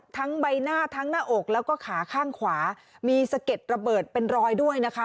ใบหน้าทั้งหน้าอกแล้วก็ขาข้างขวามีสะเก็ดระเบิดเป็นรอยด้วยนะคะ